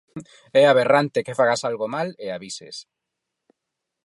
É aberrante que fagas algo mal e avises.